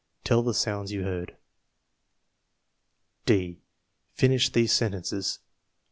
Tell the sounds you heard. d. Finish these sentences: 1.